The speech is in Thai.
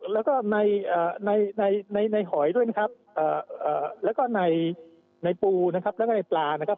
แล้วก็ในในหอยด้วยนะครับแล้วก็ในปูนะครับแล้วก็ในปลานะครับ